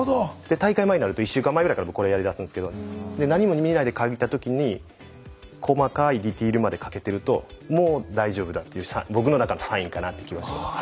大会前になると１週間前ぐらいから僕これやりだすんですけど何も見ないで描いた時に細かいディテールまで描けてるともう大丈夫だっていう僕の中のサインかなっていう気はしてます。